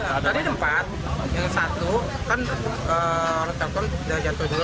ada ada tempat yang satu kan orang taman sudah jatuh turun